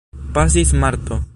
Pasis marto.